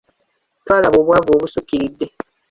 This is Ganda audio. Twalaba obwavu obusukkiridde.